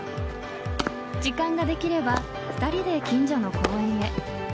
時間ができれば２人で近所の公園へ。